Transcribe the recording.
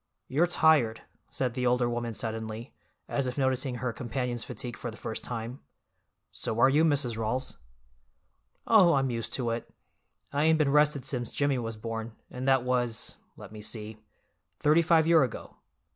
"You're tired," said the older woman suddenly, as if noticing her companion's fatigue for the first time. "So are you, Mrs. Rawls." "Oh, I'm used to it. I ain't been rested since Jimmy was born, and that was—let me see—thirty five year ago.